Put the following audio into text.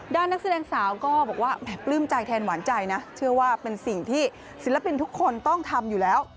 นักแสดงสาวก็บอกว่าแหมปลื้มใจแทนหวานใจนะเชื่อว่าเป็นสิ่งที่ศิลปินทุกคนต้องทำอยู่แล้ว